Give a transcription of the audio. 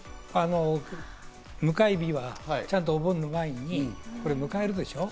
迎え火はちゃんとお盆の前に迎えるでしょう。